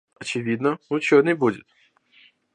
Очевидно, ученый будет.